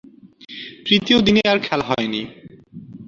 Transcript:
তৃতীয় দিনে আর খেলা হয়নি।